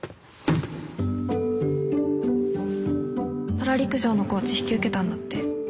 パラ陸上のコーチ引き受けたんだって？